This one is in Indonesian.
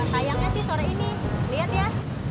tayangnya sih sore ini liat ya